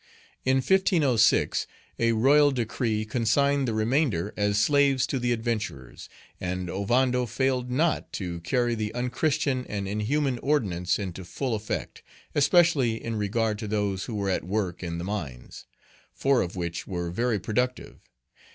In 1506, a royal decree consigned the remainder as slaves to the adventurers, and Ovando failed not to carry the unchristian and inhuman ordinance into full effect, especially in regard to those who were at work in the mines, four of which were very productive.